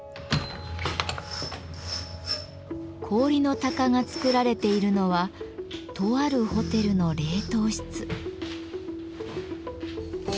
氷の鷹が作られているのはとあるホテルの冷凍室。